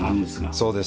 そうです。